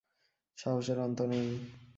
সাহসের অন্ত নেই।